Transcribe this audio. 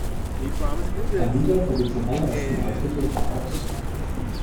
Alida probiert zum allerersten Mal Fedora aus.